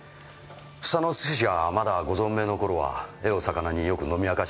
房之助氏がまだご存命の頃は絵を肴によく飲み明かしました。